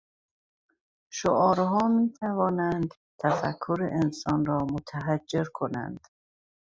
شعارها میتوانند تفکر انسان را متحجر کنند.